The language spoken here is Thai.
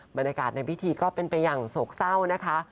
บรรยากาศในพิธีก็เป็นไปอย่างโศกเศร้านะคะ